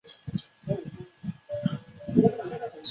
正在香山部署一切的洪全福闻变后割须易服潜逃南洋。